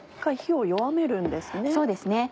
１回火を弱めるんですね。